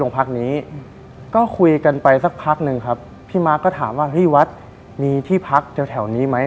พี่มาร์คก็ถามว่าพี่วัดมีที่พักแถวนี้ไหม